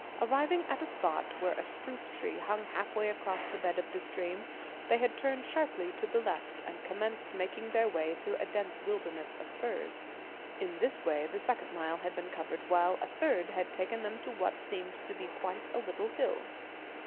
Arriving at a spot where a spruce tree hung half way across the bed of the stream, they had turned sharply to the left, and commenced making their way through a dense wilderness of firs. In this way the second mile had been covered, while a third had taken them to what seemed to be quite a little hill.